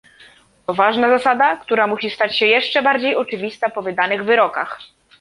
To ważna zasada, która musi stać się jeszcze bardziej oczywista po wydanych wyrokach